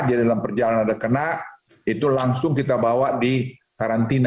jadi dalam perjalanan ada kena itu langsung kita bawa di karantina